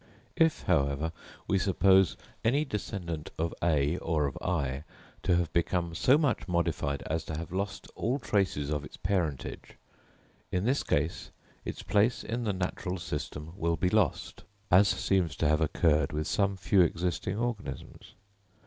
If, however, we suppose any descendant of A or of I to have become so much modified as to have lost all traces of its parentage in this case, its place in the natural system will be lost, as seems to have occurred with some few existing organisms.